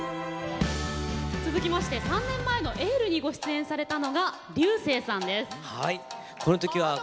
続きまして３年前の「エール」にご出演されたのは彩青さんです。